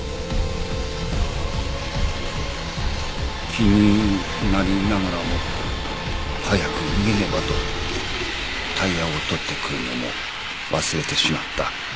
気になりながらも早く逃げねばとタイヤを取ってくるのも忘れてしまった。